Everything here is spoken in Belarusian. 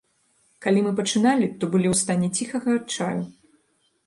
Калі мы пачыналі, то былі ў стане ціхага адчаю.